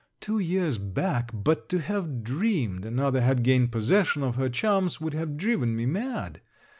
Two years back, but to have dreamed another had gained possession of her charms would have driven me mad.